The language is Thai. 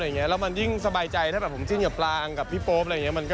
แล้วมันยิ่งสบายใจถ้าผมจิ้นกับปลางกับพี่โป๊ป